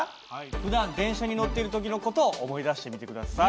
ふだん電車に乗っている時の事を思い出してみて下さい。